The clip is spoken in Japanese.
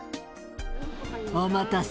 お待たせ。